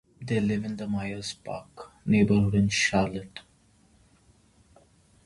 They live in the Myers Park neighborhood in Charlotte.